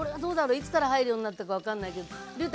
いつから入るようになったか分かんないけどりゅうた